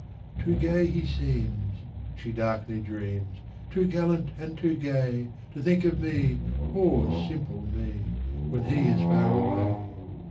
"Too gay he seems," she darkly dreams, "Too gallant and too gay, To think of me poor simple me When he is far away!"